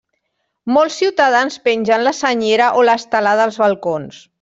Molts ciutadans pengen la senyera o l'estelada als balcons.